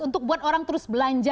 untuk buat orang terus belanja